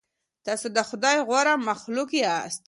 تاسې د خدای غوره مخلوق یاست.